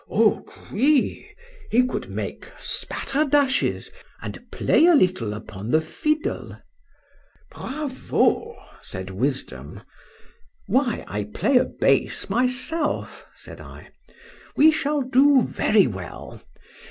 —O qu'oui! he could make spatterdashes, and play a little upon the fiddle.—Bravo! said Wisdom.—Why, I play a bass myself, said I;—we shall do very well.